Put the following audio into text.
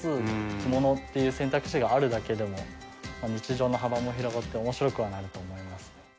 着物っていう選択肢があるだけでも日常の幅も広がっておもしろくはなると思います。